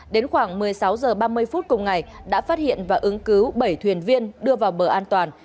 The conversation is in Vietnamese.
đến khoảng một mươi sáu h ba mươi phút cùng ngày đã phát hiện và ứng cứu bảy thuyền viên đưa vào bờ an toàn